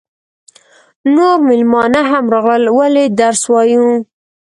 نور مېلمانه هم راغلل ولې درس وایو.